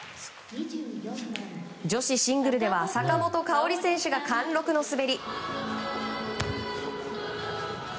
女子シングルでは坂本花織選手が貫禄の滑り。